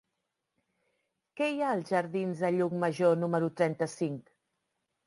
Què hi ha als jardins de Llucmajor número trenta-cinc?